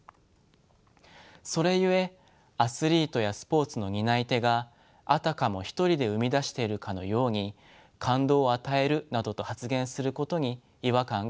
それゆえアスリートやスポーツの担い手があたかも一人で生み出しているかのように「感動を与える」などと発言することに違和感が生じるのでしょう。